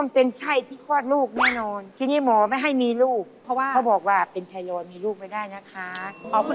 ผมหมอตำแยตายไปแล้วอันนี้ไม่อยู่แล้ว